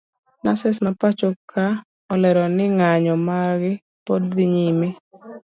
nurses mapachoka olero ni nganyo margi pod dhi nyime.